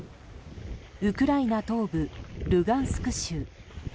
ウクライナ東部ルガンスク州。